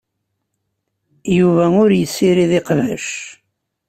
Yuba ur yessirid iqbac.